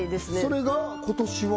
それが今年は？